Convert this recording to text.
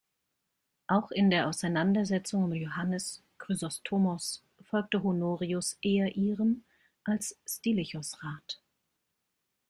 Auch in der Auseinandersetzung um Johannes Chrysostomos folgte Honorius eher ihrem als Stilichos Rat.